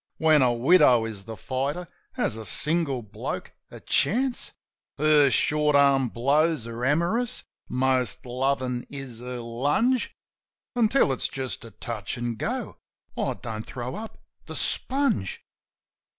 (When a widow is the fighter, has a single bloke a chance?) Her short arm blows are amorous, most lovin' is her lunge; Until it's just a touch an' go I don't throw up the sponge.